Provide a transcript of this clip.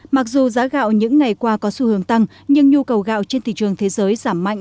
mặc dù giá gạo những ngày qua có xu hướng tăng nhưng nhu cầu gạo trên thị trường thế giới giảm mạnh